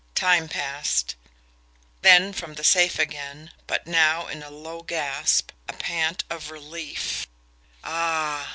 Time passed. Then from the safe again, but now in a low gasp, a pant of relief: "Ah!"